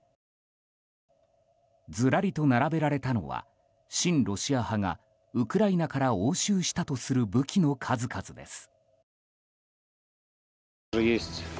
ずらりと並べられたのは親ロシア派がウクライナから押収したとする武器の数々です。